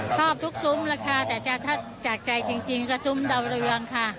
ชอบทุกซุ้มแล้วค่ะแต่ถ้าจากใจจริงก็ซุ้มดาวเรืองค่ะ